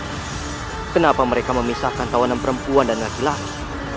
tapi kenapa mereka memisahkan tawanan perempuan dan laki laki